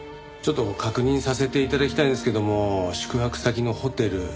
ちょっと確認させて頂きたいんですけども宿泊先のホテル